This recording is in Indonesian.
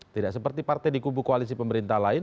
tidak seperti partai di kubu koalisi pemerintah lain